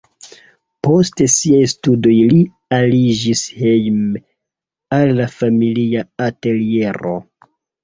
Post siaj studoj li aliĝis hejme al la familia ateliero.